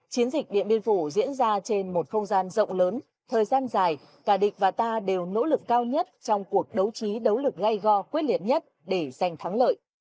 chiến dịch điện biên phủ diễn ra trên một không gian rộng lớn thời gian dài cả địch và ta đều nỗ lực cao nhất trong cuộc đấu trí đấu lực gây go quyết liệt nhất để giành thắng lợi